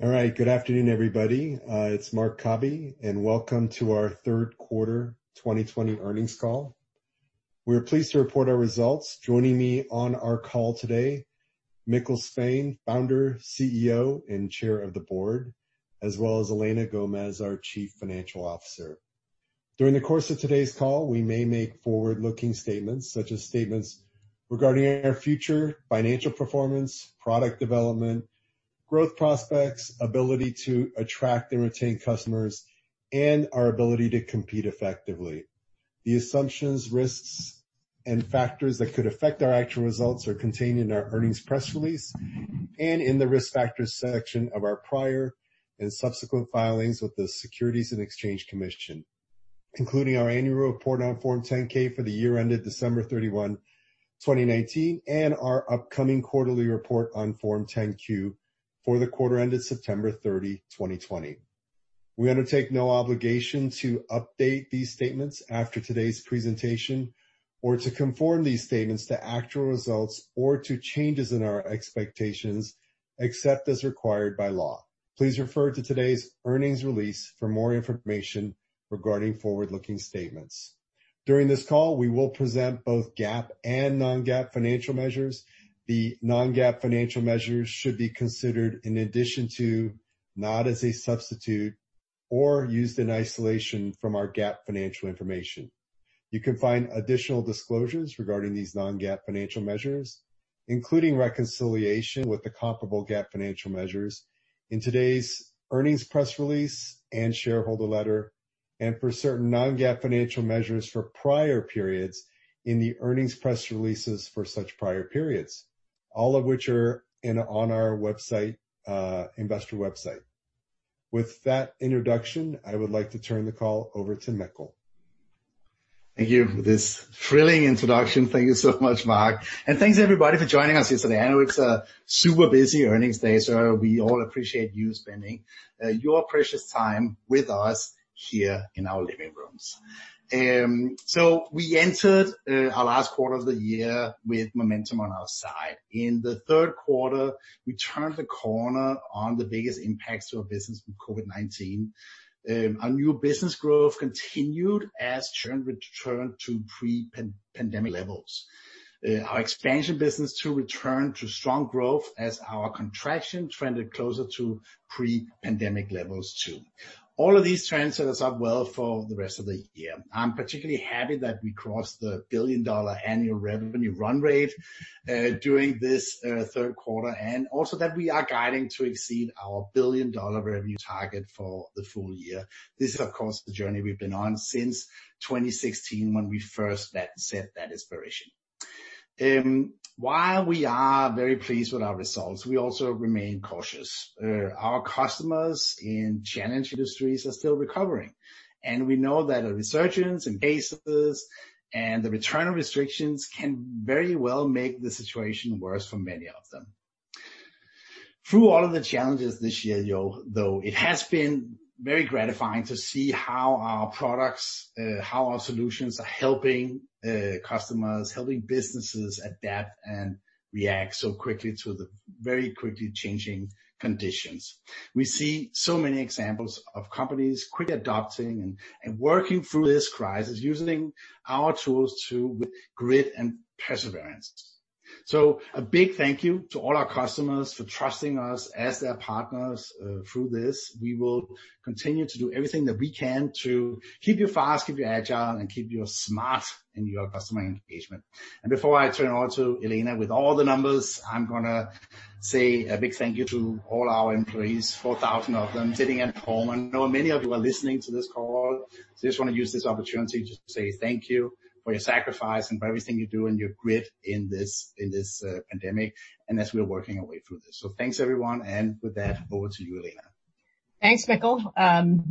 All right. Good afternoon, everybody. It's Marc Cabi, welcome to our third quarter 2020 earnings call. We are pleased to report our results. Joining me on our call today, Mikkel Svane, Founder, CEO, and chair of the board, as well as Elena Gomez, our Chief Financial Officer. During the course of today's call, we may make forward-looking statements such as statements regarding our future financial performance, product development, growth prospects, ability to attract and retain customers, and our ability to compete effectively. The assumptions, risks, and factors that could affect our actual results are contained in our earnings press release and in the risk factors section of our prior and subsequent filings with the Securities and Exchange Commission, including our annual report on Form 10-K for the year ended December 31, 2019, and our upcoming quarterly report on Form 10-Q for the quarter ended September 30, 2020. We undertake no obligation to update these statements after today's presentation or to conform these statements to actual results or to changes in our expectations, except as required by law. Please refer to today's earnings release for more information regarding forward-looking statements. During this call, we will present both GAAP and non-GAAP financial measures. The non-GAAP financial measures should be considered in addition to, not as a substitute or used in isolation from, our GAAP financial information. You can find additional disclosures regarding these non-GAAP financial measures, including reconciliation with the comparable GAAP financial measures, in today's earnings press release and shareholder letter, and for certain non-GAAP financial measures for prior periods in the earnings press releases for such prior periods, all of which are on our investor website. With that introduction, I would like to turn the call over to Mikkel. Thank you for this thrilling introduction. Thank you so much, Marc, and thanks everybody for joining us yesterday. I know it's a super busy earnings day, we all appreciate you spending your precious time with us here in our living rooms. We entered our last quarter of the year with momentum on our side. In the third quarter, we turned the corner on the biggest impacts to our business from COVID-19. Our new business growth continued as churn returned to pre-pandemic levels. Our expansion business, too, returned to strong growth as our contraction trended closer to pre-pandemic levels, too. All of these trends set us up well for the rest of the year. I'm particularly happy that we crossed the billion-dollar annual revenue run rate during this third quarter, and also that we are guiding to exceed our billion-dollar revenue target for the full- year. This is, of course, the journey we've been on since 2016 when we first set that aspiration. While we are very pleased with our results, we also remain cautious. Our customers in challenged industries are still recovering, and we know that a resurgence in cases and the return of restrictions can very well make the situation worse for many of them. Through all of the challenges this year, though, it has been very gratifying to see how our products, how our solutions are helping customers, helping businesses adapt and react so quickly to the very quickly changing conditions. We see so many examples of companies quickly adapting and working through this crisis using our tools with grit and perseverance. A big thank you to all our customers for trusting us as their partners through this. We will continue to do everything that we can to keep you fast, keep you agile, and keep you smart in your customer engagement. Before I turn over to Elena with all the numbers, I'm going to say a big thank you to all our employees, 4,000 of them sitting at home. I know many of you are listening to this call. I just want to use this opportunity to say thank you for your sacrifice and for everything you do and your grit in this pandemic, and as we are working our way through this. Thanks, everyone, and with that, over to you, Elena. Thanks, Mikkel.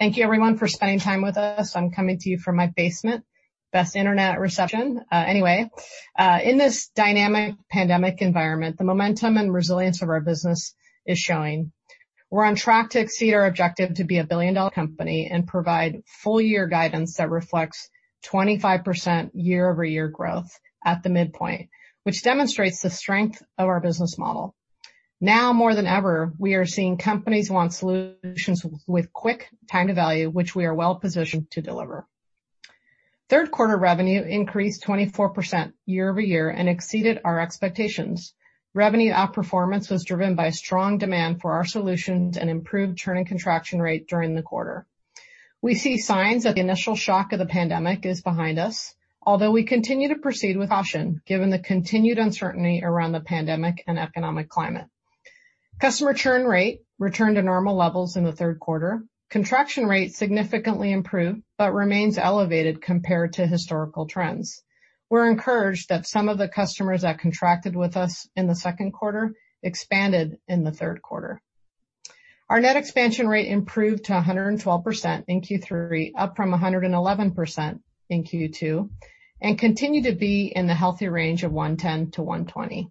Thank you everyone for spending time with us. I'm coming to you from my basement. Best internet reception. Anyway, in this dynamic pandemic environment, the momentum and resilience of our business is showing. We're on track to exceed our objective to be a billion-dollar company and provide full year guidance that reflects 25% year-over-year growth at the midpoint, which demonstrates the strength of our business model. Now more than ever, we are seeing companies want solutions with quick time to value, which we are well positioned to deliver. Third quarter revenue increased 24% year-over-year and exceeded our expectations. Revenue outperformance was driven by strong demand for our solutions and improved churn and contraction rate during the quarter. We see signs that the initial shock of the pandemic is behind us, although we continue to proceed with caution given the continued uncertainty around the pandemic and economic climate. Customer churn rate returned to normal levels in the third quarter. Contraction rate significantly improved but remains elevated compared to historical trends. We're encouraged that some of the customers that contracted with us in the second quarter expanded in the third quarter. Our net expansion rate improved to 112% in Q3, up from 111% in Q2, and continue to be in the healthy range of 110%-120%.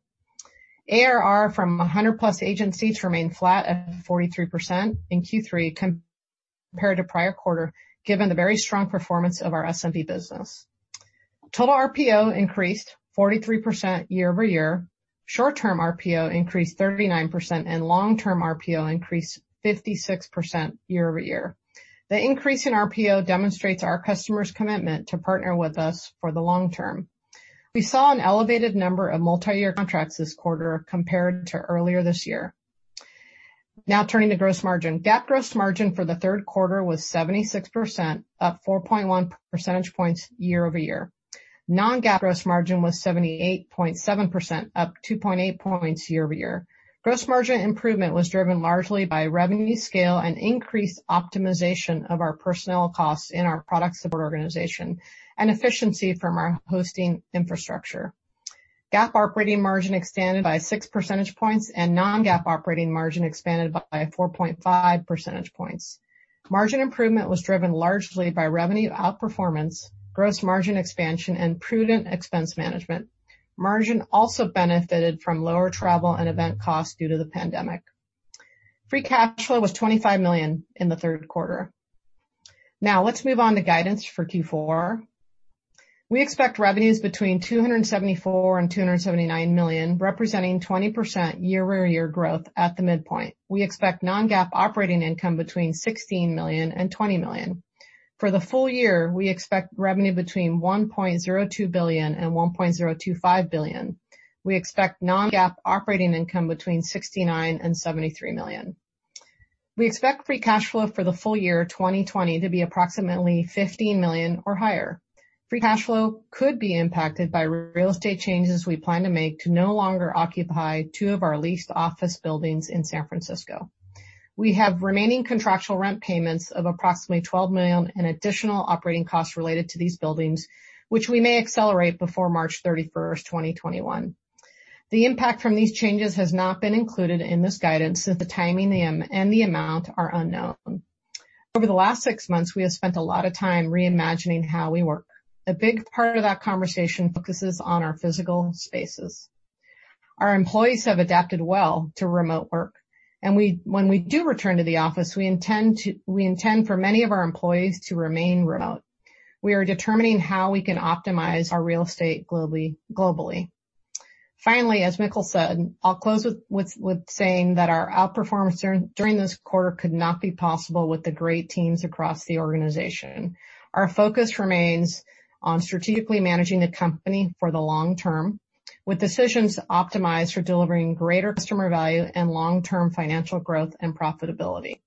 ARR from 100-plus agents remained flat at 43% in Q3 Compared to prior quarter, given the very strong performance of our SMB business. Total RPO increased 43% year-over-year. Short-term RPO increased 39%, and long-term RPO increased 56% year-over-year. The increase in RPO demonstrates our customers' commitment to partner with us for the long- term. We saw an elevated number of multi-year contracts this quarter compared to earlier this year. Turning to gross margin. GAAP gross margin for the third quarter was 76%, up 4.1 percentage points year-over-year. Non-GAAP gross margin was 78.7%, up 2.8 points year-over-year. Gross margin improvement was driven largely by revenue scale and increased optimization of our personnel costs in our product support organization, and efficiency from our hosting infrastructure. GAAP operating margin expanded by six percentage points, and non-GAAP operating margin expanded by 4.5 percentage points. Margin improvement was driven largely by revenue outperformance, gross margin expansion, and prudent expense management. Margin also benefited from lower travel and event costs due to the pandemic. Free cash flow was $25 million in the third quarter. Let's move on to guidance for Q4. We expect revenues between $274 million and $279 million, representing 20% year-over-year growth at the midpoint. We expect non-GAAP operating income between $16 million and $20 million. For the full- year, we expect revenue between $1.02 billion and $1.025 billion. We expect non-GAAP operating income between $69 million and $73 million. We expect free cash flow for the full- year 2020 to be approximately $15 million or higher. Free cash flow could be impacted by real estate changes we plan to make to no longer occupy two of our leased office buildings in San Francisco. We have remaining contractual rent payments of approximately $12 million in additional operating costs related to these buildings, which we may accelerate before March 31st, 2021. The impact from these changes has not been included in this guidance, as the timing and the amount are unknown. Over the last six months, we have spent a lot of time reimagining how we work. A big part of that conversation focuses on our physical spaces. Our employees have adapted well to remote work, and when we do return to the office, we intend for many of our employees to remain remote. We are determining how we can optimize our real estate globally. Finally, as Mikkel said, I'll close with saying that our outperformance during this quarter could not be possible with the great teams across the organization. Our focus remains on strategically managing the company for the long- term, with decisions optimized for delivering greater customer value and long-term financial growth and profitability.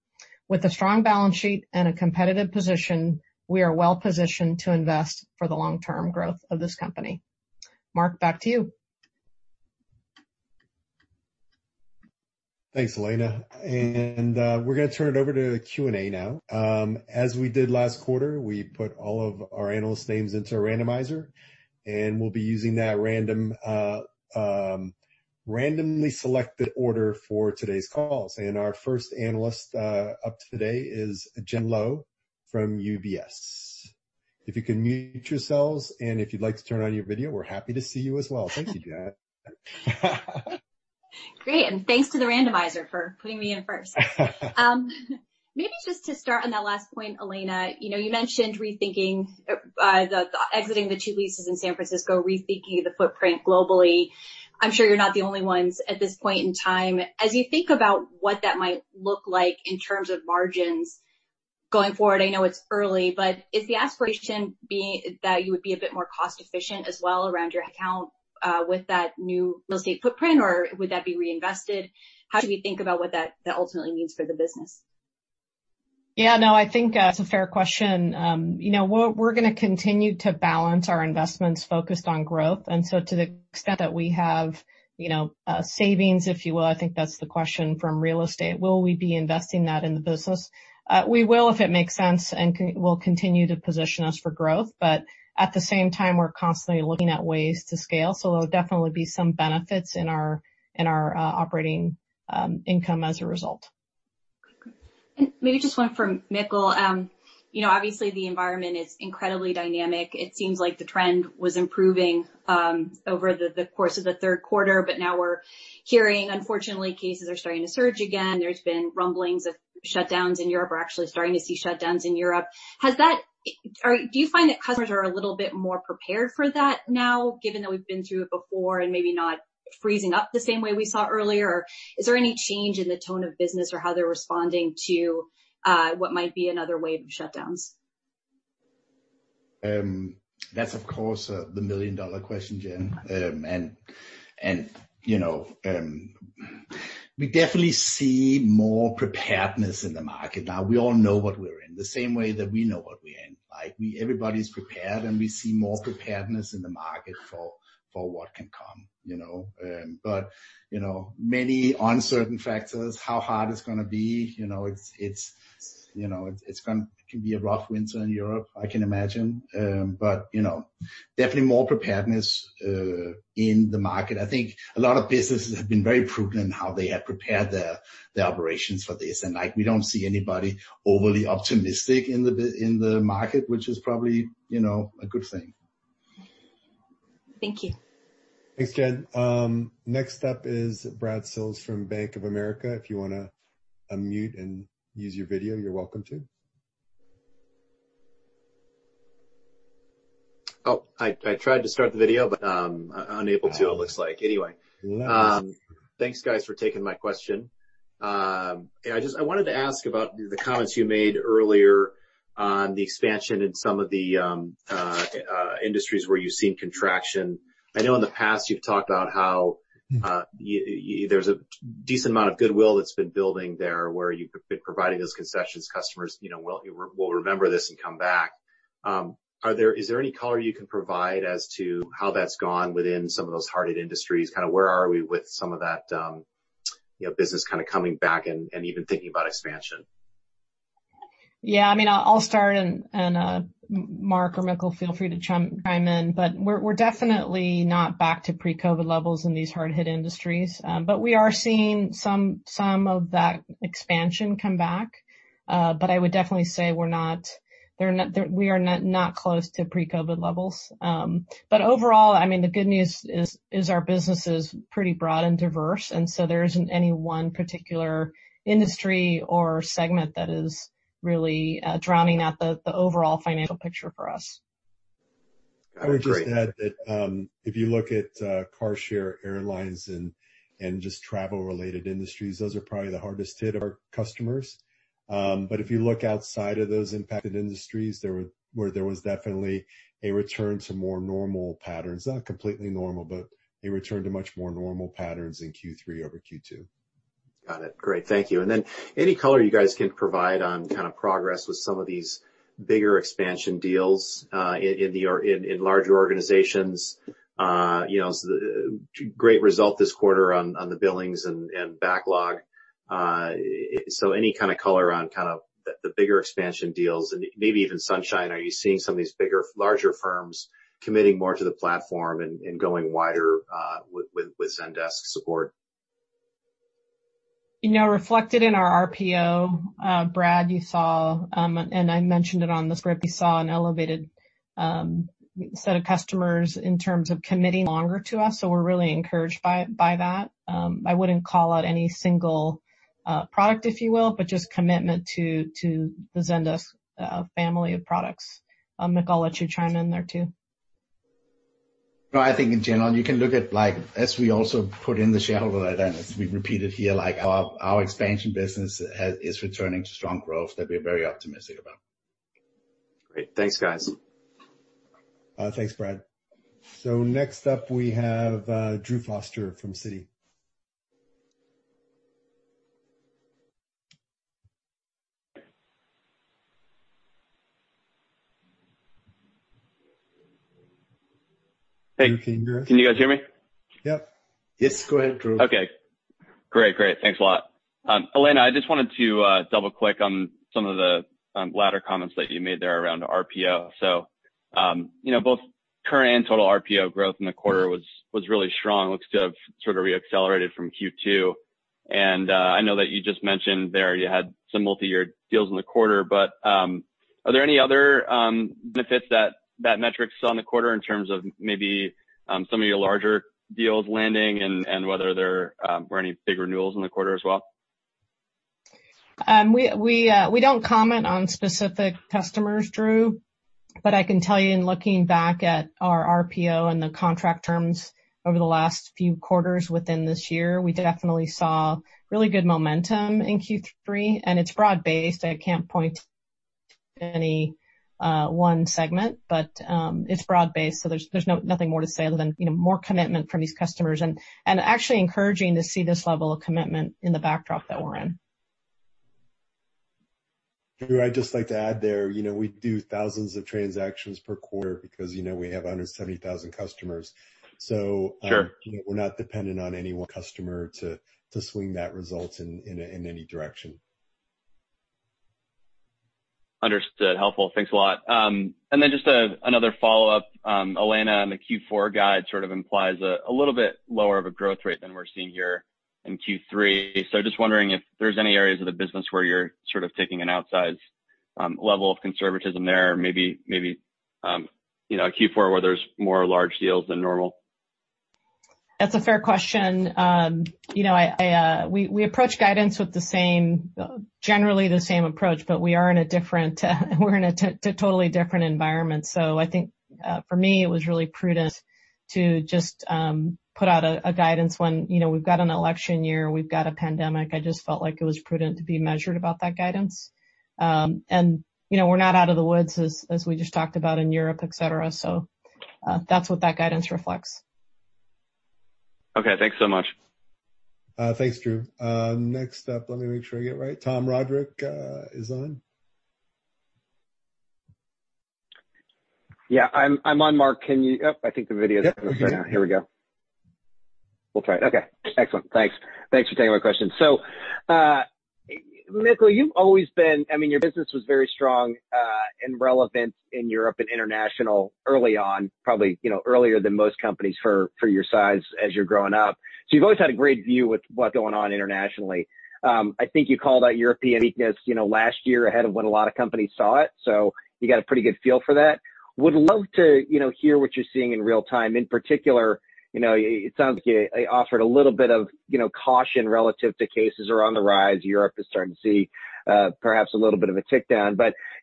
With a strong balance sheet and a competitive position, we are well-positioned to invest for the long-term growth of this company. Marc, back to you. Thanks, Elena. We're going to turn it over to Q&A now. As we did last quarter, we put all of our analysts' names into a randomizer, and we'll be using that randomly selected order for today's calls. Our first analyst up today is Jen Lowe from UBS. If you can mute yourselves, and if you'd like to turn on your video, we're happy to see you as well. Thank you, Jen. Great. Thanks to the randomizer for putting me in first. Maybe just to start on that last point, Elena, you mentioned exiting the two leases in San Francisco, rethinking the footprint globally. I'm sure you're not the only ones at this point in time. As you think about what that might look like in terms of margins going forward, I know it's early, but is the aspiration that you would be a bit more cost-efficient as well around your headcount with that new real estate footprint, or would that be reinvested? How should we think about what that ultimately means for the business? Yeah, no, I think that's a fair question. We're going to continue to balance our investments focused on growth. To the extent that we have savings, if you will, I think that's the question from real estate, will we be investing that in the business? We will, if it makes sense, and will continue to position us for growth. At the same time, we're constantly looking at ways to scale. There'll definitely be some benefits in our operating income as a result. Good. Maybe just one for Mikkel. Obviously, the environment is incredibly dynamic. It seems like the trend was improving over the course of the third quarter, but now we're hearing, unfortunately, cases are starting to surge again. There's been rumblings of shutdowns in Europe. We're actually starting to see shutdowns in Europe. Do you find that customers are a little bit more prepared for that now, given that we've been through it before and maybe not freezing up the same way we saw earlier? Is there any change in the tone of business or how they're responding to what might be another wave of shutdowns? That's, of course, the million-dollar question, Jen. We definitely see more preparedness in the market now. We all know what we're in, the same way that we know what we're in. Everybody's prepared, and we see more preparedness in the market for what can come. Many uncertain factors, how hard it's going to be. It can be a rough winter in Europe, I can imagine. Definitely more preparedness in the market. I think a lot of businesses have been very prudent in how they have prepared their operations for this. We don't see anybody overly optimistic in the market, which is probably a good thing. Thank you. Thanks, Jen. Next up is Brad Sills from Bank of America. If you want to unmute and use your video, you're welcome to. Oh, I tried to start the video, but unable to, it looks like. Anyway. Yeah. Thanks guys for taking my question. I wanted to ask about the comments you made earlier on the expansion in some of the industries where you've seen contraction. I know in the past you've talked about. there's a decent amount of goodwill that's been building there, where you've been providing those concessions customers will remember this and come back. Is there any color you can provide as to how that's gone within some of those hard-hit industries? Where are we with some of that business coming back and even thinking about expansion? Yeah, I'll start and, Marc or Mikkel, feel free to chime in. We're definitely not back to pre-COVID levels in these hard-hit industries. We are seeing some of that expansion come back. I would definitely say we are not close to pre-COVID levels. Overall, the good news is our business is pretty broad and diverse. There isn't any one particular industry or segment that is really drowning out the overall financial picture for us. Great. I would just add that if you look at rideshare, airlines, and just travel-related industries, those are probably the hardest hit of our customers. If you look outside of those impacted industries, where there was definitely a return to more normal patterns, not completely normal, but a return to much more normal patterns in Q3 over Q2. Got it. Great. Thank you. Then any color you guys can provide on progress with some of these bigger expansion deals in larger organizations. Great result this quarter on the billings and backlog. Any kind of color on the bigger expansion deals and maybe even Sunshine, are you seeing some of these larger firms committing more to the platform and going wider with Zendesk support? Reflected in our RPO, Brad, you saw, and I mentioned it on the script, you saw an elevated set of customers in terms of committing longer to us. We're really encouraged by that. I wouldn't call out any single product, if you will, but just commitment to the Zendesk family of products. Mik, I'll let you chime in there too. No, I think in general, you can look at, as we also put in the shareholder letter, and as we repeated here, our expansion business is returning to strong growth that we're very optimistic about. Great. Thanks, guys. Thanks, Brad. Next up we have Drew Foster from Citi. Hey. Drew Foster. Can you guys hear me? Yep. Yes, go ahead, Drew. Okay, great. Thanks a lot. Elena, I just wanted to double-click on some of the latter comments that you made there around RPO. Both current and total RPO growth in the quarter was really strong. Looks to have sort of re-accelerated from Q2. I know that you just mentioned there you had some multi-year deals in the quarter, but, are there any other benefits that metrics on the quarter in terms of maybe, some of your larger deals landing and whether there were any big renewals in the quarter as well? We don't comment on specific customers, Drew. I can tell you in looking back at our RPO and the contract terms over the last few quarters within this year, we definitely saw really good momentum in Q3. It's broad-based. I can't point to any one segment, but it's broad-based, so there's nothing more to say other than more commitment from these customers and actually encouraging to see this level of commitment in the backdrop that we're in. Drew, I'd just like to add there, we do thousands of transactions per quarter because we have 170,000 customers. Sure. We're not dependent on any one customer to swing that result in any direction. Understood. Helpful. Thanks a lot. Just another follow-up. Elena, on the Q4 guide sort of implies a little bit lower of a growth rate than we're seeing here in Q3. Just wondering if there's any areas of the business where you're sort of taking an outsized level of conservatism there, maybe Q4 where there's more large deals than normal? That's a fair question. We approach guidance with generally the same approach, but we're in a totally different environment. I think for me, it was really prudent to just put out a guidance when we've got an election year, we've got a pandemic. I just felt like it was prudent to be measured about that guidance. We're not out of the woods as we just talked about in Europe, et cetera. That's what that guidance reflects. Okay. Thanks so much. Thanks, Drew. Next up, let me make sure I get it right. Tom Roderick is on. I'm on, Marc. I think the video is up right now. Here we go. All right. Okay, excellent. Thanks. Thanks for taking my question. Mikkel, your business was very strong and relevant in Europe and international early on, probably earlier than most companies for your size as you're growing up. You've always had a great view with what's going on internationally. I think you called out European weakness last year ahead of when a lot of companies saw it, so you got a pretty good feel for that. Would love to hear what you're seeing in real-time. In particular, it sounds like you offered a little bit of caution relative to cases are on the rise. Europe is starting to see perhaps a little bit of a tick down,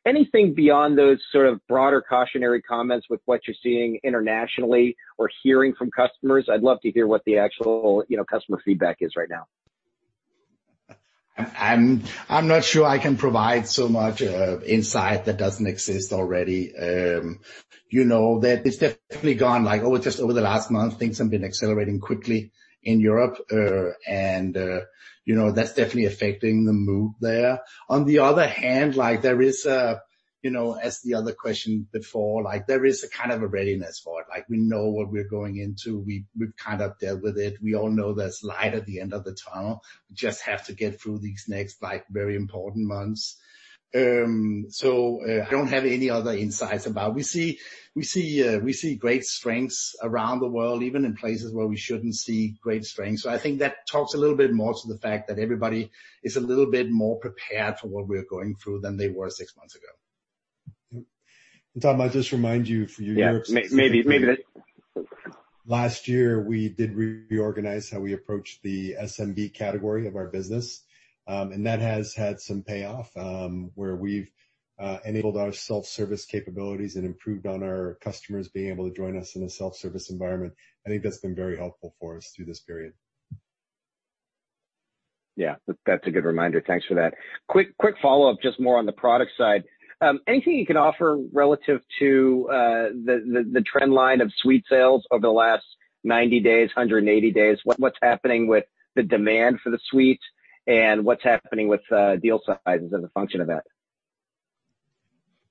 anything beyond those sort of broader cautionary comments with what you're seeing internationally or hearing from customers? I'd love to hear what the actual customer feedback is right now. I'm not sure I can provide so much insight that doesn't exist already. It's definitely gone, like just over the last month, things have been accelerating quickly in Europe. That's definitely affecting the mood there. On the other hand, as the other question before, there is a kind of a readiness for it. We know what we're going into. We've kind of dealt with it. We all know there's light at the end of the tunnel. We just have to get through these next very important months. I don't have any other insights about. We see great strengths around the world, even in places where we shouldn't see great strengths. I think that talks a little bit more to the fact that everybody is a little bit more prepared for what we're going through than they were six months ago. Tom, I'll just remind you. Yeah, Last year, we did reorganize how we approached the SMB category of our business. That has had some payoff, where we've enabled our self-service capabilities and improved on our customers being able to join us in a self-service environment. I think that's been very helpful for us through this period. Yeah, that's a good reminder. Thanks for that. Quick follow-up, just more on the product side. Anything you can offer relative to the trend line of suite sales over the last 90 days, 180 days? What's happening with the demand for the suites, and what's happening with deal sizes as a function of that?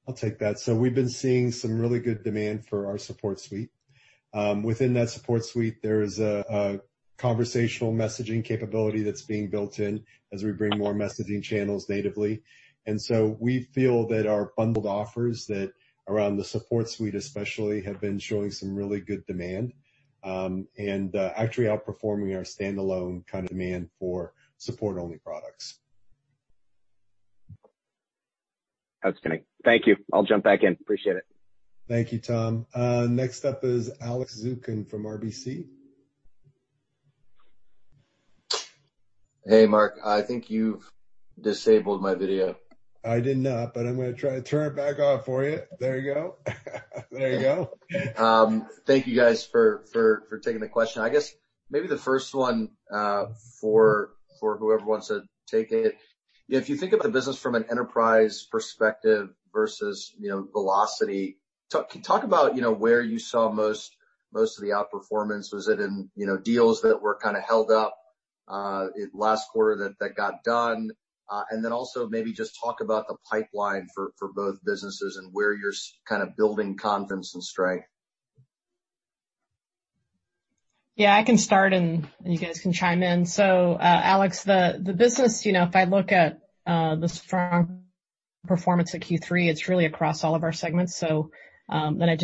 I'll take that. We've been seeing some really good demand for our Support Suite. Within that Support Suite, there is a conversational messaging capability that's being built in as we bring more messaging channels natively. We feel that our bundled offers that around the Support Suite especially have been showing some really good demand, and actually outperforming our standalone kind of demand for support-only products. That's good. Thank you. I'll jump back in. Appreciate it. Thank you, Tom. Next up is Alex Zukin from RBC. Hey, Marc, I think you've disabled my video. I did not, but I'm going to try to turn it back on for you. There you go. There you go. Thank you guys for taking the question. I guess maybe the first one, for whoever wants to take it. If you think of the business from an enterprise perspective versus velocity, talk about where you saw most of the outperformance. Was it in deals that were kind of held up last quarter that got done? Also maybe just talk about the pipeline for both businesses and where you're kind of building confidence and strength. Yeah, I can start, and you guys can chime in. Alex, the business, if I look at the performance of Q3, it's really across all of our segments. I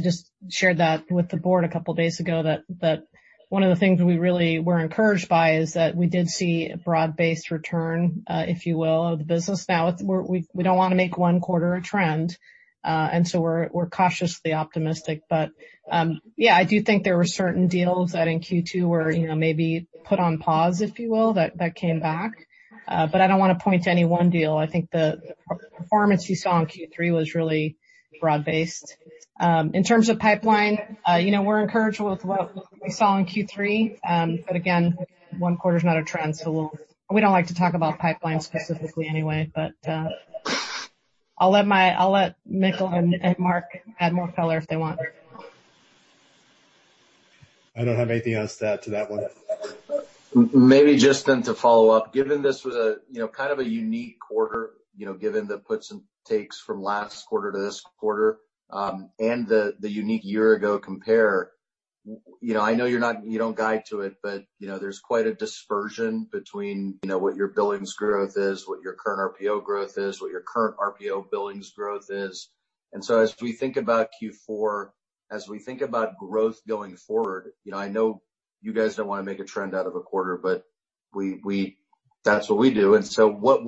just shared that with the board a couple of days ago, that one of the things we really were encouraged by is that we did see a broad-based return, if you will, of the business. We don't want to make one quarter a trend, and so we're cautiously optimistic. Yeah, I do think there were certain deals that in Q2 were maybe put on pause, if you will, that came back. I don't want to point to any one deal. I think the performance you saw in Q3 was really broad-based. In terms of pipeline, we're encouraged with what we saw in Q3. Again, one quarter's not a trend, so we don't like to talk about pipeline specifically anyway. I'll let Mikkel and Marc add more color if they want. I don't have anything else to add to that one. Maybe just to follow up, given this was a kind of a unique quarter, given the puts and takes from last quarter to this quarter, and the unique year-ago compare. I know you don't guide to it, there's quite a dispersion between what your billings growth is, what your current RPO growth is, what your current RPO billings growth is. As we think about Q4, as we think about growth going forward, I know you guys don't want to make a trend out of a quarter, that's what we do. What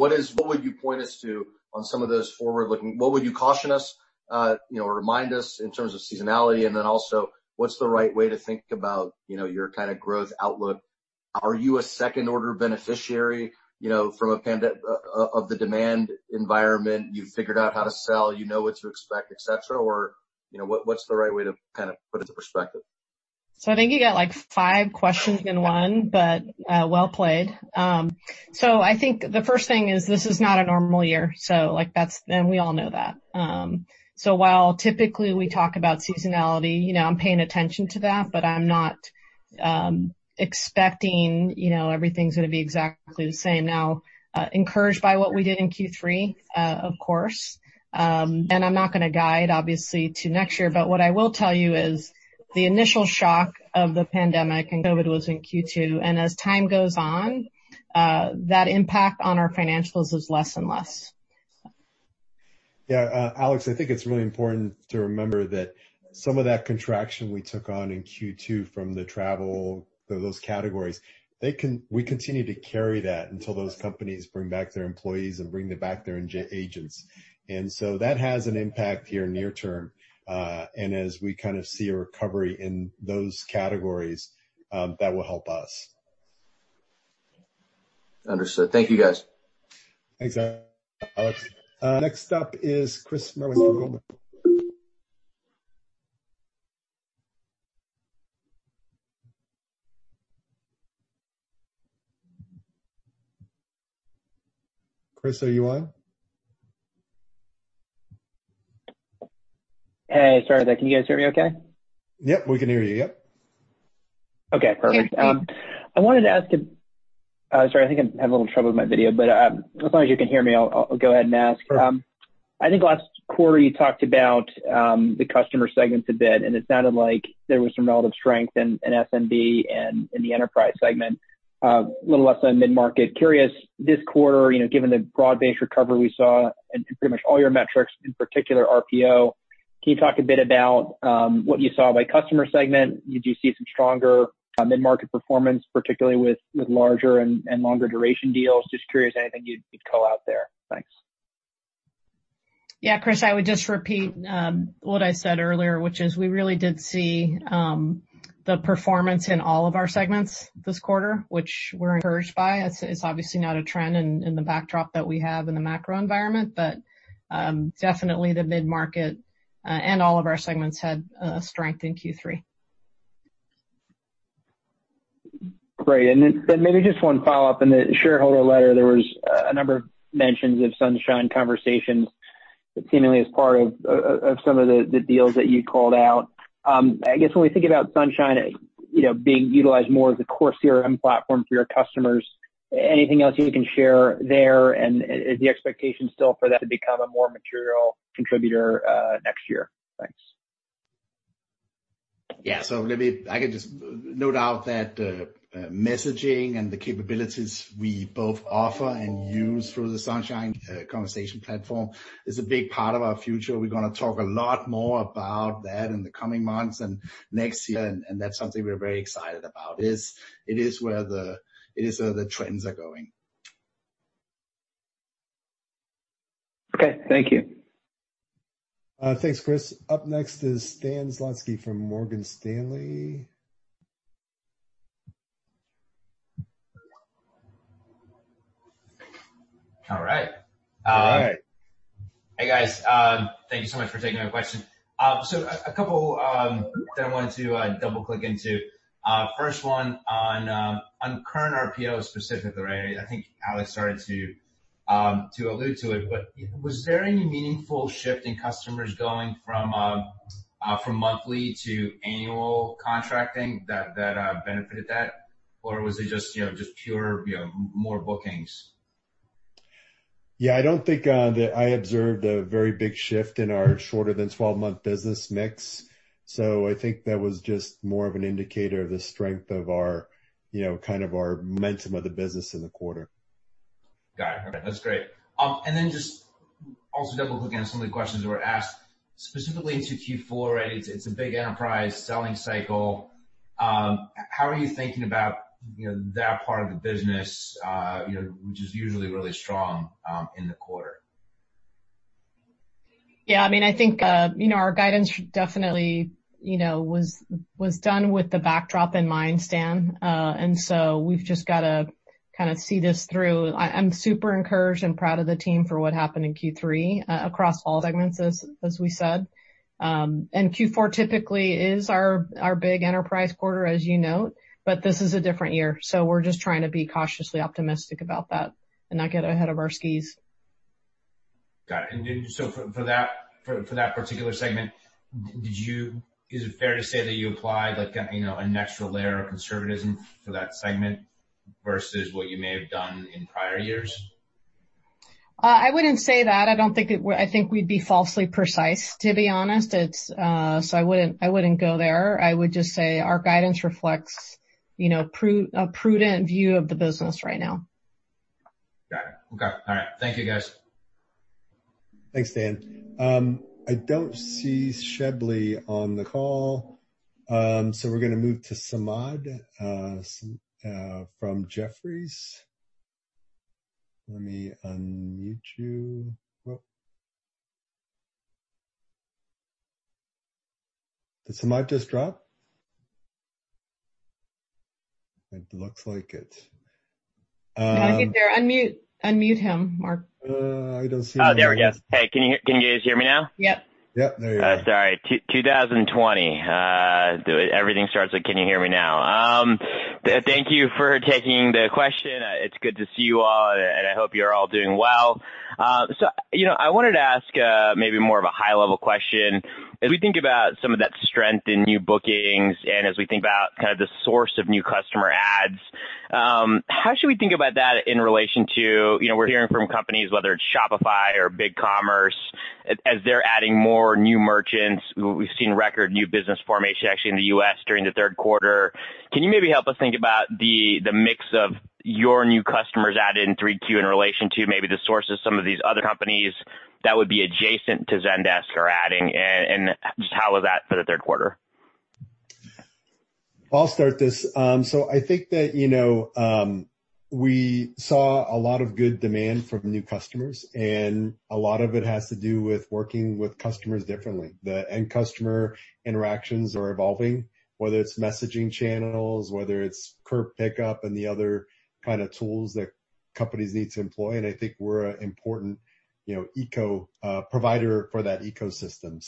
would you point us to on some of those, what would you caution us, or remind us in terms of seasonality? Also, what's the right way to think about your kind of growth outlook? Are you a second-order beneficiary of the demand environment? You've figured out how to sell, you know what to expect, et cetera, or what's the right way to kind of put it into perspective? I think you got five questions in one, but well played. I think the first thing is this is not a normal year. We all know that. While typically we talk about seasonality, I'm paying attention to that, but I'm not expecting everything's going to be exactly the same. Now, encouraged by what we did in Q3, of course. I'm not going to guide obviously to next year, but what I will tell you is the initial shock of the pandemic and COVID was in Q2, and as time goes on, that impact on our financials is less and less. Yeah, Alex, I think it's really important to remember that some of that contraction we took on in Q2 from the travel, those categories, we continue to carry that until those companies bring back their employees and bring back their agents. So that has an impact here near- term. As we kind of see a recovery in those categories, that will help us. Understood. Thank you, guys. Thanks, Alex. Next up is Chris Merwin from Goldman. Chris, are you on? Hey, sorry there. Can you guys hear me okay? Yep, we can hear you. Yep. Okay, perfect. Yeah, can you- Sorry, I think I'm having a little trouble with my video, but as long as you can hear me, I'll go ahead and ask. Sure. I think last quarter, you talked about the customer segments a bit, and it sounded like there was some relative strength in SMB and in the enterprise segment. A little less on mid-market. Curious this quarter, given the broad-based recovery we saw in pretty much all your metrics, in particular RPO, can you talk a bit about what you saw by customer segment? Did you see some stronger mid-market performance, particularly with larger and longer duration deals? Just curious anything you'd call out there. Thanks. Chris, I would just repeat what I said earlier, which is we really did see the performance in all of our segments this quarter, which we're encouraged by. It's obviously not a trend in the backdrop that we have in the macro environment, but definitely the mid-market, and all of our segments had strength in Q3. Great. Then maybe just one follow-up. In the shareholder letter, there was a number of mentions of Sunshine Conversations seemingly as part of some of the deals that you called out. I guess when we think about Sunshine being utilized more as a core CRM platform for your customers, anything else you can share there? Is the expectation still for that to become a more material contributor next year? Thanks. Yeah. Let me just note out that messaging and the capabilities we both offer and use through the Sunshine Conversations platform is a big part of our future. We're going to talk a lot more about that in the coming months and next year, that's something we're very excited about. It is where the trends are going. Okay, thank you. Thanks, Chris. Up next is Stan Zlotsky from Morgan Stanley. All right. All right. Hey, guys. Thank you so much for taking my question. A couple that I wanted to double-click into. First one on current RPO specifically. I think Alex started to allude to it, but was there any meaningful shift in customers going from monthly to annual contracting that benefited that? Or was it just pure more bookings? Yeah, I don't think that I observed a very big shift in our shorter than 12-month business mix. I think that was just more of an indicator of the strength of our kind of our momentum of the business in the quarter. Got it. Okay, that's great. Then just also double-clicking on some of the questions that were asked specifically to Q4. It's a big enterprise selling cycle. How are you thinking about that part of the business which is usually really strong in the quarter? Yeah, I think our guidance definitely was done with the backdrop in mind, Dan. We've just got to kind of see this through. I'm super encouraged and proud of the team for what happened in Q3 across all segments, as we said. Q4 typically is our big enterprise quarter, as you note, but this is a different year, so we're just trying to be cautiously optimistic about that and not get ahead of our skis. Got it. For that particular segment, is it fair to say that you applied an extra layer of conservatism for that segment versus what you may have done in prior years? I wouldn't say that. I think we'd be falsely precise, to be honest. I wouldn't go there. I would just say our guidance reflects a prudent view of the business right now. Got it. Okay. All right. Thank you, guys. Thanks, Dan. I don't see Shelby on the call, so we're going to move to Samad from Jefferies. Let me unmute you. Did Samad just drop? It looks like it. No, I think they're. Unmute him, Marc. I don't see him. Oh, there we go. Hey, can you guys hear me now? Yep. Yep, there you go. Sorry. 2020. Everything starts with, "Can you hear me now?" Thank you for taking the question. It's good to see you all, and I hope you're all doing well. I wanted to ask maybe more of a high-level question. As we think about some of that strength in new bookings, and as we think about kind of the source of new customer adds, how should we think about that in relation to, we're hearing from companies, whether it's Shopify or BigCommerce, as they're adding more new merchants. We've seen record new business formation actually in the U.S. during the third quarter. Can you maybe help us think about the mix of your new customers added in 3Q in relation to maybe the source of some of these other companies that would be adjacent to Zendesk are adding, and just how was that for the third quarter? I'll start this. I think that we saw a lot of good demand from new customers, and a lot of it has to do with working with customers differently. The end customer interactions are evolving, whether it's messaging channels, whether it's curb pickup and the other kind of tools that companies need to employ, and I think we're an important provider for that ecosystem.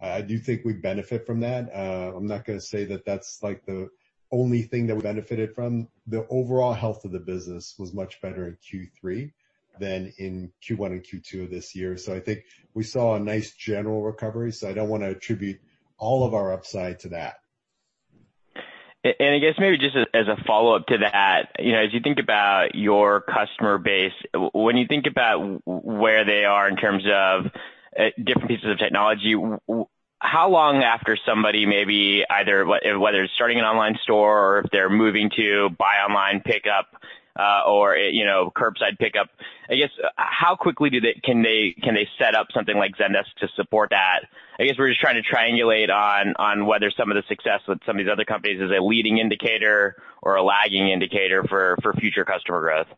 I do think we benefit from that. I'm not going to say that that's the only thing that we benefited from. The overall health of the business was much better in Q3 than in Q1 and Q2 of this year. I think we saw a nice general recovery, so I don't want to attribute all of our upside to that. I guess maybe just as a follow-up to that, as you think about your customer base, when you think about where they are in terms of different pieces of technology, how long after somebody maybe either, whether it's starting an online store or if they're moving to buy online pickup or curbside pickup, I guess, how quickly can they set up something like Zendesk to support that? I guess we're just trying to triangulate on whether some of the success with some of these other companies is a leading indicator or a lagging indicator for future customer growth.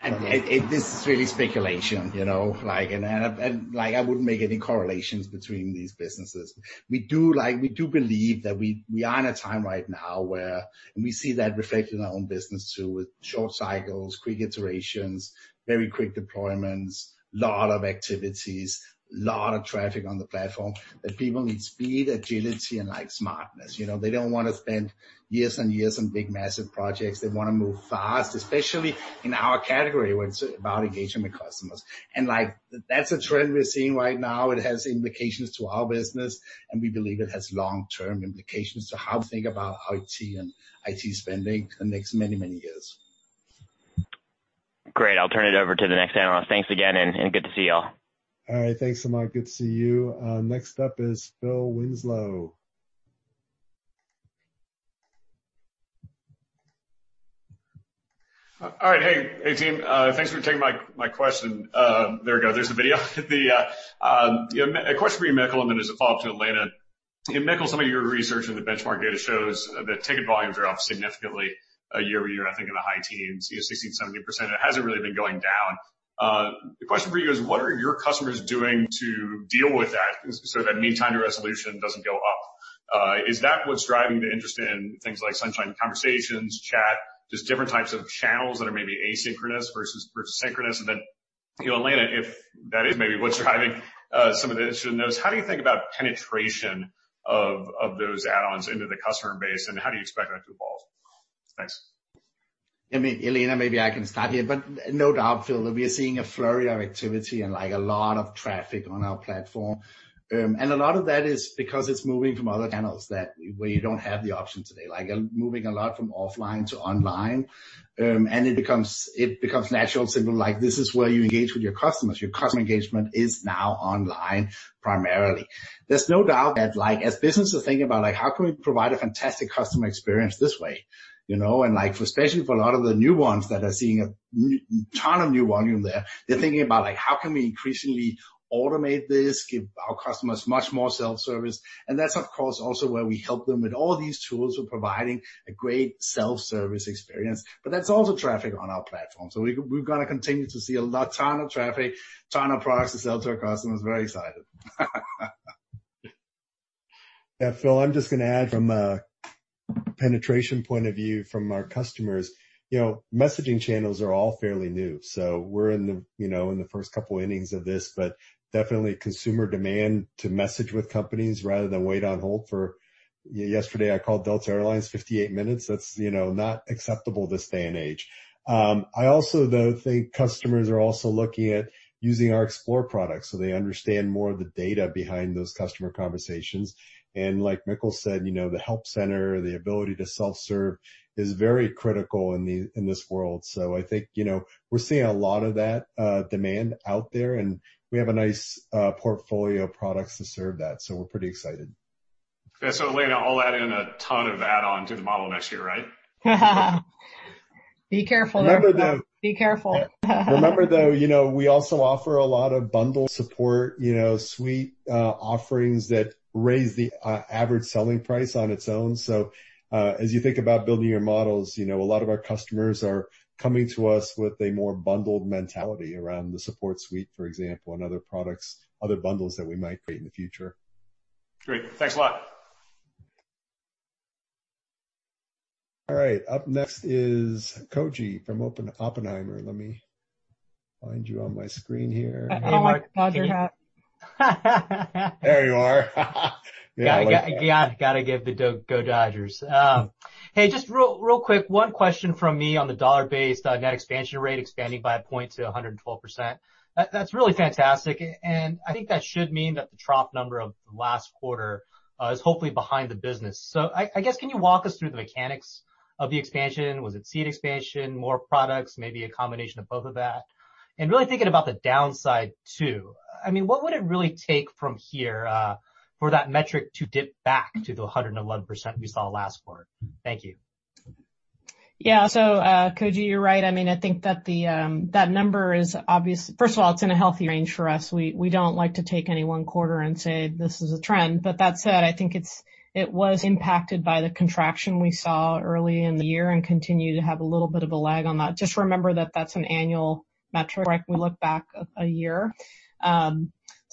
This is really speculation, and I wouldn't make any correlations between these businesses. We do believe that we are in a time right now where we see that reflected in our own business too, with short cycles, quick iterations, very quick deployments, lot of activities, lot of traffic on the platform, that people need speed, agility, and smartness. They don't want to spend years- and- years on big, massive projects. They want to move fast, especially in our category, when it's about engaging with customers. That's a trend we're seeing right now. It has implications to our business, and we believe it has long-term implications to how to think about IT and IT spending the next many, many years. Great. I'll turn it over to the next analyst. Thanks again, and good to see you all. All right. Thanks a lot. Good to see you. Next up is Phil Winslow. All right. Hey, team. Thanks for taking my question. There we go. There's the video. A question for you, Mikkel, then there's a follow-up to Elena. Mikkel, some of your research and the benchmark data shows that ticket volumes are up significantly year-over-year, I think in the high teens, 16%, 17%, and it hasn't really been going down. The question for you is, what are your customers doing to deal with that so that mean time to resolution doesn't go up? Is that what's driving the interest in things like Sunshine Conversations, chat, just different types of channels that are maybe asynchronous versus synchronous? Then Elena, if that is maybe what's driving some of the interest in those, how do you think about penetration of those add-ons into the customer base, and how do you expect that to evolve? Thanks. Elena, maybe I can start here. No doubt, Phil, that we are seeing a flurry of activity and a lot of traffic on our platform. A lot of that is because it's moving from other channels that where you don't have the option today, like moving a lot from offline to online. It becomes natural, simple, like this is where you engage with your customers. Your customer engagement is now online primarily. There's no doubt that as businesses think about, how can we provide a fantastic customer experience this way? Especially for a lot of the new ones that are seeing a ton of new volume there, they're thinking about, how can we increasingly automate this, give our customers much more self-service? That's of course, also where we help them with all these tools. We're providing a great self-service experience. That's also traffic on our platform. We're going to continue to see a ton of traffic, ton of products to sell to our customers. Very excited. Phil, I'm just going to add from a penetration point of view from our customers, messaging channels are all fairly new, so we're in the first couple innings of this. Definitely consumer demand to message with companies rather than wait on hold for Yesterday, I called Delta Air Lines, 58 minutes. That's not acceptable this day and age. I also, though, think customers are also looking at using our Explore products so they understand more of the data behind those customer conversations. Like Mikkel said, the help center, the ability to self-serve is very critical in this world. I think we're seeing a lot of that demand out there, and we have a nice portfolio of products to serve that, so we're pretty excited. Yeah. Elena, I'll add in a ton of add-on to the model next year, right? Be careful there. Remember, though. Be careful. Remember, though, we also offer a lot of Support Suite offerings that raise the average selling price on its own. As you think about building your models, a lot of our customers are coming to us with a more bundled mentality around the Support Suite, for example, and other products, other bundles that we might create in the future. Great. Thanks a lot. All right, up next is Koji from Oppenheimer. Let me find you on my screen here. I like the Dodger hat. There you are. Yeah, I like that. Got to give the go Dodgers. Hey, just real quick, one question from me on the dollar-based net expansion rate expanding by a point to 112%. That's really fantastic, and I think that should mean that the trough number of last quarter is hopefully behind the business. I guess, can you walk us through the mechanics of the expansion? Was it seat expansion, more products, maybe a combination of both of that? Really thinking about the downside too, what would it really take from here for that metric to dip back to the 111% we saw last quarter? Thank you. Yeah. Koji, you're right. I think that number is obvious. First of all, it's in a healthy range for us. We don't like to take any one quarter and say, "This is a trend." That said, I think it was impacted by the contraction we saw early in the year and continue to have a little bit of a lag on that. Just remember that that's an annual metric. We look back a year.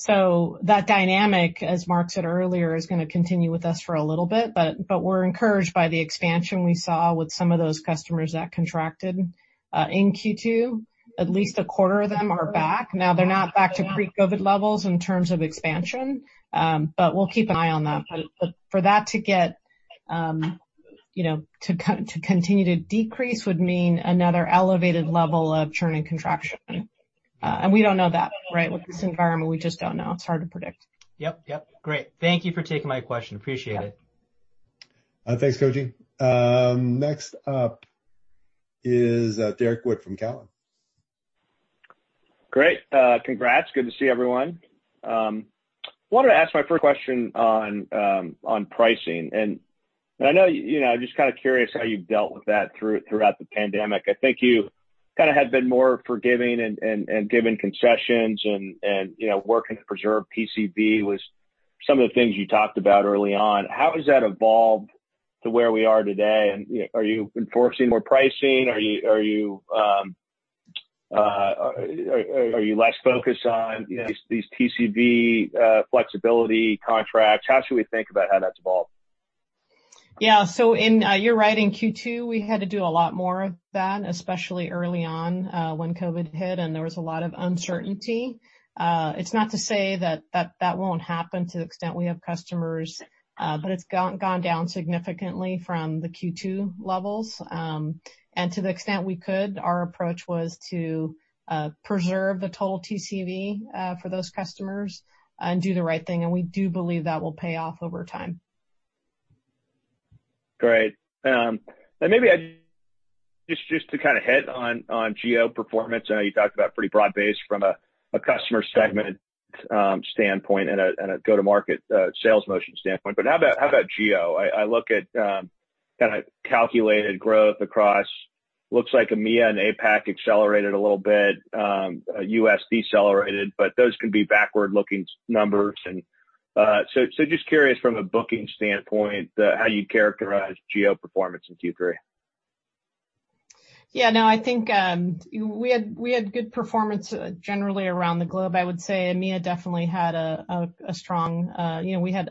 That dynamic, as Marc said earlier, is going to continue with us for a little bit, but we're encouraged by the expansion we saw with some of those customers that contracted in Q2. At least a quarter of them are back. Now, they're not back to pre-COVID levels in terms of expansion, but we'll keep an eye on that. For that to continue to decrease would mean another elevated level of churn and contraction. We don't know that, right? With this environment, we just don't know. It's hard to predict. Yep. Great. Thank you for taking my question. Appreciate it. Thanks, Koji. Next up is Derrick Wood from Cowen. Great. Congrats. Good to see everyone. Wanted to ask my first question on pricing. I'm just kind of curious how you've dealt with that throughout the pandemic. I think you kind of had been more forgiving and giving concessions and working to preserve TCV was some of the things you talked about early on. How has that evolved to where we are today? Are you enforcing more pricing? Are you less focused on these TCV flexibility contracts? How should we think about how that's evolved? Yeah. You're right. In Q2, we had to do a lot more of that, especially early on when COVID-19 hit and there was a lot of uncertainty. It's not to say that that won't happen to the extent we have customers, but it's gone down significantly from the Q2 levels. To the extent we could, our approach was to preserve the total TCV for those customers and do the right thing, and we do believe that will pay off over time. Great. Maybe just to kind of hit on geo-performance, I know you talked about pretty broad-based from a customer segment standpoint and a go-to-market sales motion standpoint, how about geo? I look at kind of calculated growth across, looks like EMEA and APAC accelerated a little bit, U.S. decelerated, those could be backward-looking numbers. Just curious from a booking standpoint, how you characterize geo-performance in Q3. Yeah, no, I think we had good performance generally around the globe. I would say EMEA definitely had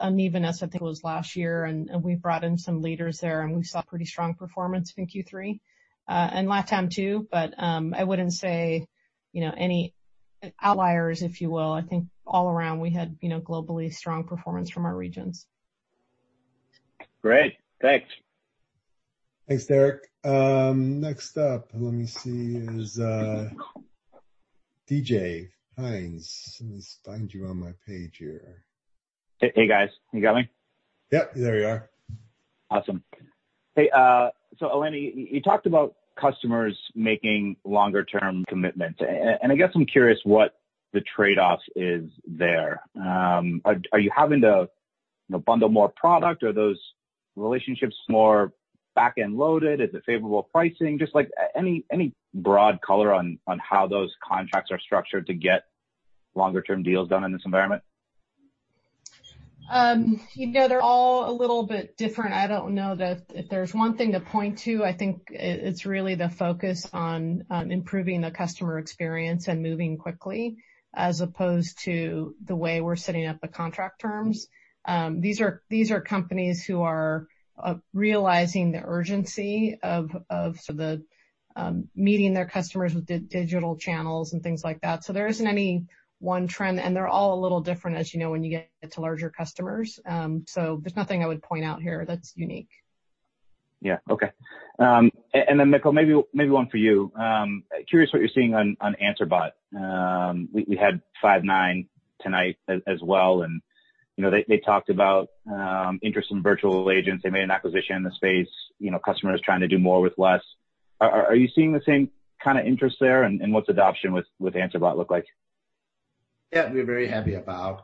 unevenness, I think it was last year, and we brought in some leaders there, and we saw pretty strong performance in Q3. LATAM too, but I wouldn't say any outliers, if you will. I think all around we had globally strong performance from our regions. Great. Thanks. Thanks, Derrick. Next up, let me see, is DJ Hynes. Let me find you on my page here. Hey, guys. You got me? Yep, there you are. Awesome. Hey, so Eleni, you talked about customers making longer-term commitments. I guess I'm curious what the trade-off is there. Are you having to bundle more product? Are those relationships more back-end loaded? Is it favorable pricing? Just any broad color on how those contracts are structured to get longer-term deals done in this environment? They're all a little bit different. I don't know that if there's one thing to point to, I think it's really the focus on improving the customer experience and moving quickly as opposed to the way we're setting up the contract terms. These are companies who are realizing the urgency of meeting their customers with digital channels and things like that. There isn't any one trend, and they're all a little different as you know when you get to larger customers. There's nothing I would point out here that's unique. Yeah. Okay. Mikkel, maybe one for you. Curious what you're seeing on Answer Bot. We had Five9 tonight as well, and they talked about interest in virtual agents. They made an acquisition in the space, customers trying to do more with less. Are you seeing the same kind of interest there, and what's adoption with Answer Bot look like? We're very happy about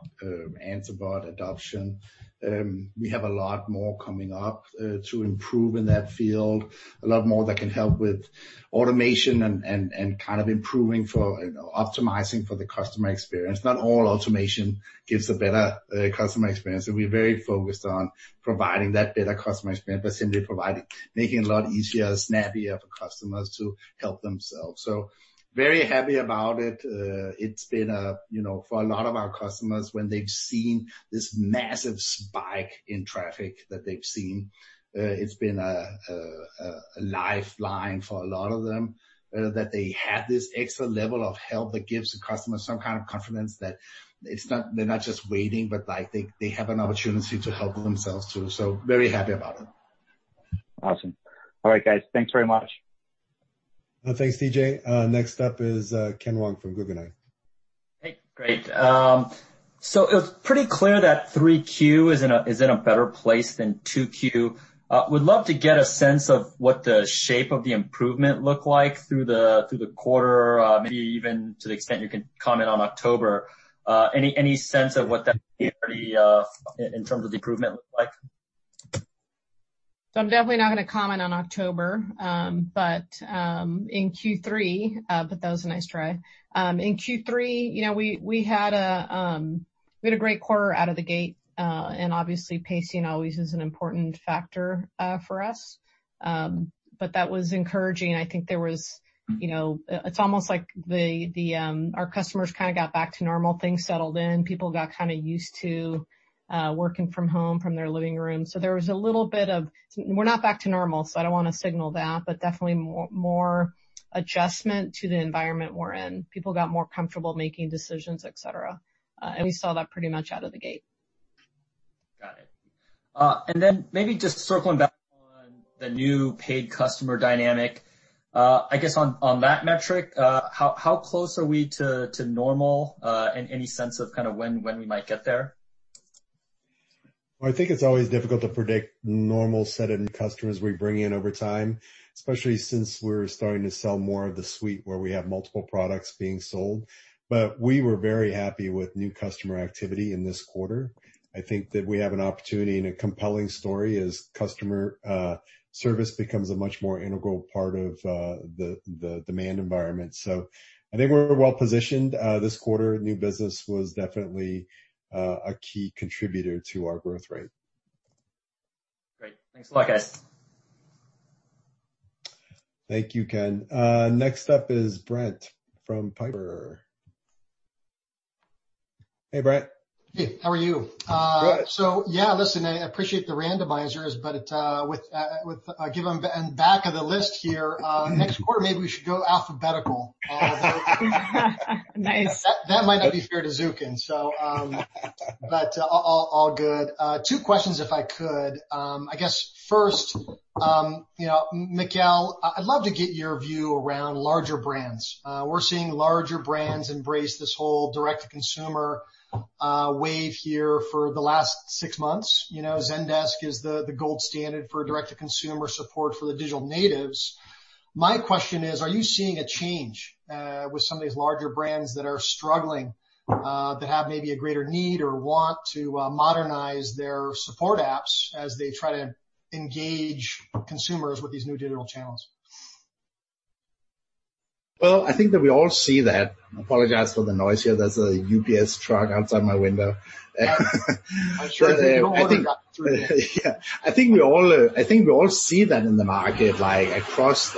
Answer Bot adoption. We have a lot more coming up to improve in that field. A lot more that can help with automation and kind of improving for optimizing for the customer experience. Not all automation gives a better customer experience, and we're very focused on providing that better customer experience by simply making it a lot easier, snappier for customers to help themselves. Very happy about it. For a lot of our customers, when they've seen this massive spike in traffic that they've seen, it's been a lifeline for a lot of them that they have this extra level of help that gives the customer some kind of confidence that they're not just waiting, but they have an opportunity to help themselves too. Very happy about it. Awesome. All right, guys. Thanks very much. Thanks, DJ. Next up is Ken Wong from Guggenheim. Hey, great. It was pretty clear that 3Q is in a better place than 2Q. Would love to get a sense of what the shape of the improvement look like through the quarter, maybe even to the extent you can comment on October. Any sense of what that in terms of the improvement look like? I'm definitely not going to comment on October, but that was a nice try. In Q3, we had a great quarter out of the gate, and obviously pacing always is an important factor for us. That was encouraging. I think it's almost like our customers kind of got back to normal, things settled in, people got kind of used to working from home from their living room. There was a little bit of, we're not back to normal, so I don't want to signal that, but definitely more adjustment to the environment we're in. People got more comfortable making decisions, et cetera. We saw that pretty much out of the gate. Got it. Maybe just circling back on the new paid customer dynamic. I guess on that metric, how close are we to normal, and any sense of kind of when we might get there? Well, I think it's always difficult to predict normal set of new customers we bring in over time, especially since we're starting to sell more of the suite where we have multiple products being sold. We were very happy with new customer activity in this quarter. I think that we have an opportunity and a compelling story as customer service becomes a much more integral part of the demand environment. I think we're well-positioned. This quarter, new business was definitely a key contributor to our growth rate. Great. Thanks a lot, guys. Thank you, Ken. Next up is Brent from Piper. Hey, Brent. Hey, how are you? Good. Yeah, listen, I appreciate the randomizers, but given I'm back of the list here, next quarter maybe we should go alphabetical. Nice. That might not be fair to Zukin, but all good. Two questions if I could. I guess first, Mikkel, I'd love to get your view around larger brands. We're seeing larger brands embrace this whole direct-to-consumer wave here for the last six months. Zendesk is the gold standard for direct-to-consumer support for the digital natives. My question is, are you seeing a change with some of these larger brands that are struggling, that have maybe a greater need or want to modernize their support apps as they try to engage consumers with these new digital channels? Well, I think that we all see that. Apologize for the noise here. There's a UPS truck outside my window. I'm sure they do a lot of- Yeah. I think we all see that in the market, across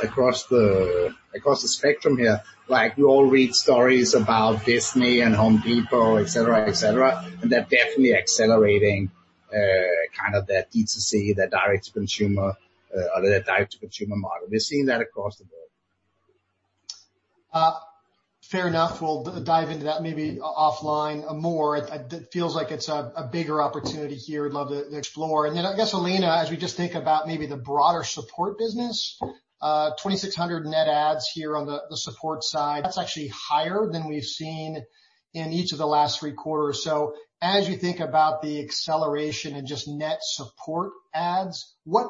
the spectrum here. We all read stories about Disney and Home Depot, et cetera. They're definitely accelerating kind of their D2C, their direct to consumer model. We're seeing that across the board. Fair enough. We'll dive into that maybe offline more. It feels like it's a bigger opportunity here, would love to explore. I guess, Elena, as we just think about maybe the broader support business, 2,600 net adds here on the support side. That's actually higher than we've seen in each of the last three quarters. As you think about the acceleration and just net support adds, what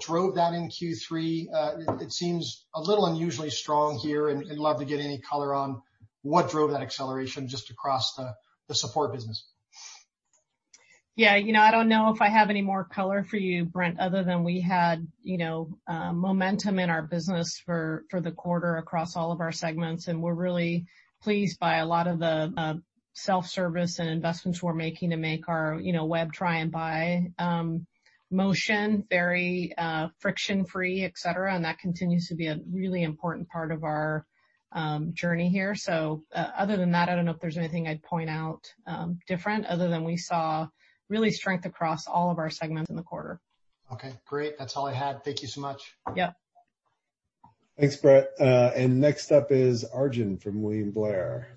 drove that in Q3? It seems a little unusually strong here, and love to get any color on what drove that acceleration just across the support business. Yeah. I don't know if I have any more color for you, Brent, other than we had momentum in our business for the quarter across all of our segments, and we're really pleased by a lot of the self-service and investments we're making to make our web try and buy motion very friction-free, et cetera, and that continues to be a really important part of our journey here. Other than that, I don't know if there's anything I'd point out different other than we saw really strength across all of our segments in the quarter. Okay, great. That's all I had. Thank you so much. Yeah. Thanks, Brent. Next up is Arjun from William Blair.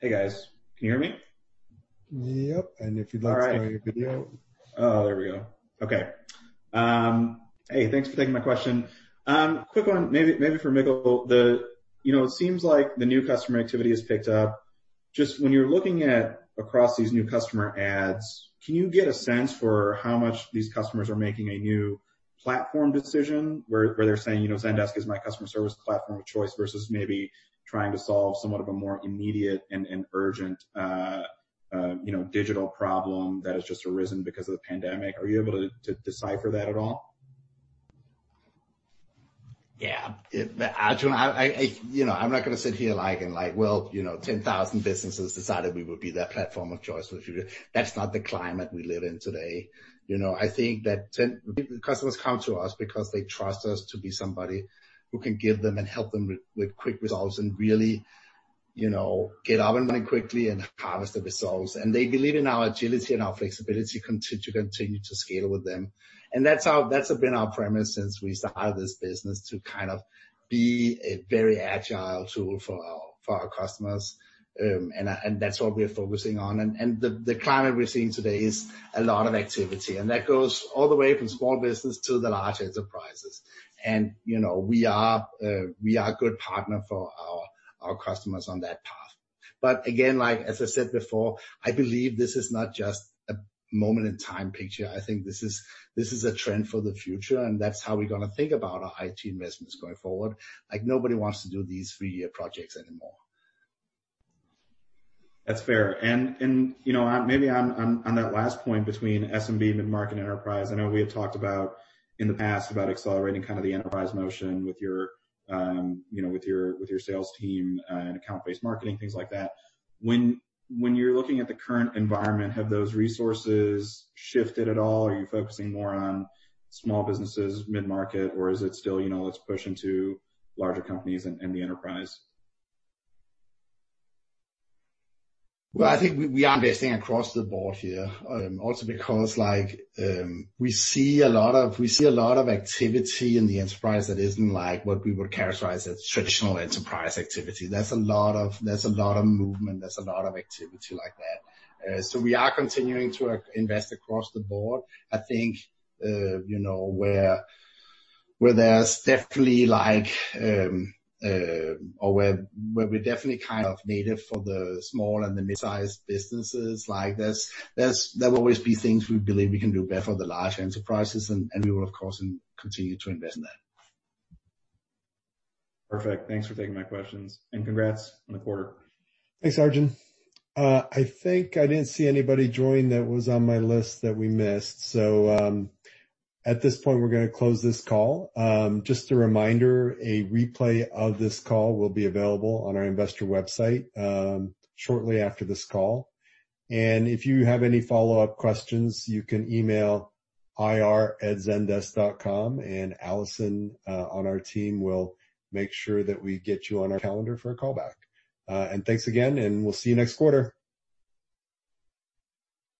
Hey, guys. Can you hear me? Yep. If you'd like to start your video. Oh, there we go. Okay. Hey, thanks for taking my question. Quick one, maybe for Mikkel. It seems like the new customer activity has picked up. Just when you're looking at across these new customer adds, can you get a sense for how much these customers are making a new platform decision where they're saying, "Zendesk is my customer service platform of choice," versus maybe trying to solve somewhat of a more immediate and urgent digital problem that has just arisen because of the pandemic? Are you able to decipher that at all? Yeah. Arjun, I'm not going to sit here like, and like, "Well, 10,000 businesses decided we would be their platform of choice," that's not the climate we live in today. I think that customers come to us because they trust us to be somebody who can give them and help them with quick results and really get up and running quickly and harvest the results. They believe in our agility and our flexibility to continue to scale with them. That's been our premise since we started this business, to kind of be a very agile tool for our customers. That's what we are focusing on. The climate we're seeing today is a lot of activity, and that goes all the way from small business to the large enterprises. We are a good partner for our customers on that path. Again, as I said before, I believe this is not just a moment in time picture. I think this is a trend for the future, and that's how we're going to think about our IT investments going forward. Nobody wants to do these three-year projects anymore. That's fair. Maybe on that last point between SMB, mid-market, and enterprise, I know we had talked about in the past about accelerating kind of the enterprise motion with your sales team and account-based marketing, things like that. When you're looking at the current environment, have those resources shifted at all? Are you focusing more on small businesses, mid-market, or is it still let's push into larger companies and the enterprise? I think we are investing across the board here. Also because we see a lot of activity in the enterprise that isn't like what we would characterize as traditional enterprise activity. There's a lot of movement, there's a lot of activity like that. We are continuing to invest across the board. I think where there's definitely like, or where we're definitely kind of native for the small and the mid-sized businesses, there will always be things we believe we can do better for the large enterprises, and we will of course, continue to invest in that. Perfect. Thanks for taking my questions. Congrats on the quarter. Thanks, Arjun. I think I didn't see anybody join that was on my list that we missed. At this point, we're going to close this call. Just a reminder, a replay of this call will be available on our investor website shortly after this call. If you have any follow-up questions, you can email ir@zendesk.com, and Allison, on our team, will make sure that we get you on our calendar for a call back. Thanks again, and we'll see you next quarter.